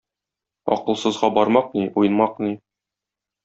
Акылсызга бармак ни, уймак ни.